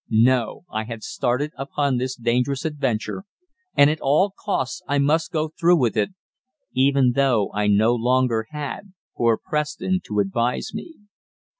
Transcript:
No, I had started upon this dangerous adventure, and at all costs I must go through with it, even though I no longer had poor Preston to advise me.